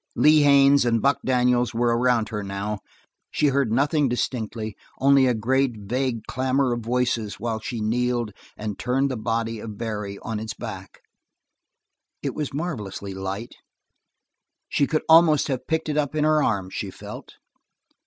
Lee Haines and Buck Daniels were around her now. She heard nothing distinctly, only a great, vague clamor of voices while she kneeled and turned the body of Barry on its back. It was marvelously light; she could almost have picked it up in her arms, she felt.